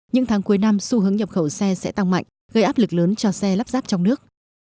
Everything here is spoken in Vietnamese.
những tháng cuối năm xu hướng nhập khẩu xe sẽ tăng mạnh gây áp lực lớn cho xe lắp ráp trong nước